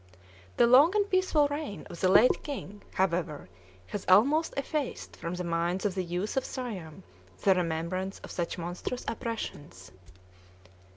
The long and peaceful reign of the late king, however, has almost effaced from the minds of the youth of Siam the remembrance of such monstrous oppressions.